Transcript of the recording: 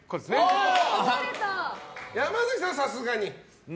山崎さんはさすがに。